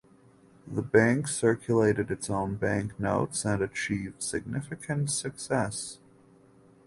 The bank circulated its own banknotes and achieved significant success.